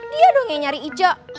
dia doang yang nyari ice